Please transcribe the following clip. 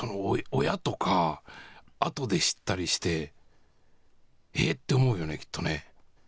親とか、あとで知ったりして、えって思うよね、きっとね。